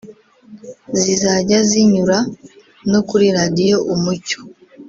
zizajya zinyura no kuri Radiyo Umucyo